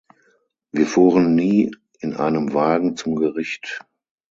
Wir fuhren nie in einem Wagen zum Gericht.